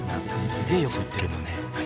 すげえ言ってるもんね